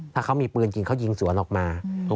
ถ้าเขามีปืนจริงเขายิงสวนออกมา